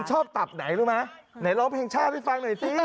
ตับไหนรู้ไหมไหนร้องเพลงชาติให้ฟังหน่อยสิ